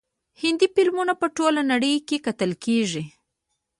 هندي فلمونه په ټوله نړۍ کې کتل کیږي.